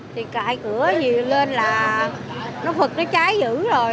thì cãi cửa vừa lên là nó phật nó cháy dữ rồi